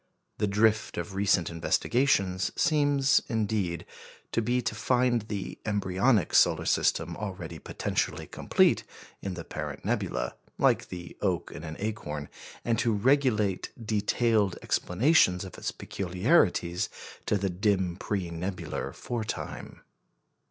The drift of recent investigations seems, indeed, to be to find the embryonic solar system already potentially complete in the parent nebula, like the oak in an acorn, and to relegate detailed explanations of its peculiarities to the dim pre nebular fore time.